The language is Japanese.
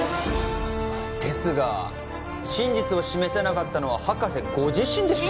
ですが真実を示せなかったのは博士ご自身ですよ